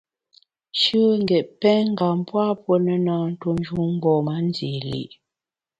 Shùe n’ gét pèn ngam pua puo ne, na ntuo njun mgbom-a ndi li’.